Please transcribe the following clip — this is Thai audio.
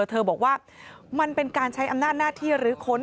เธอบอกว่ามันเป็นการใช้อำนาจหน้าที่หรือค้น